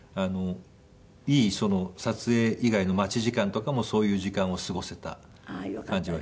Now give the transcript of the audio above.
いい撮影以外の待ち時間とかもそういう時間を過ごせた感じはしますね。